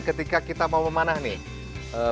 ketika kita mau memanah nih